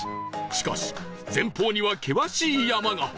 しかし前方には険しい山が